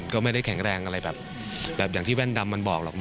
ก็ไม่ได้แข็งแรงอะไรแบบอย่างที่แว่นดำมันบอกหรอก